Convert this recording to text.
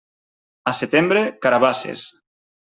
A setembre, carabasses.